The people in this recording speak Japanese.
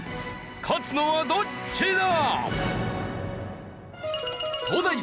勝つのはどっちだ！？